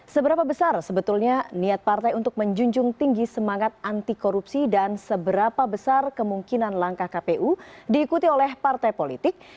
seberapa besar sebetulnya niat partai untuk menjunjung tinggi semangat anti korupsi dan seberapa besar kemungkinan langkah kpu diikuti oleh partai politik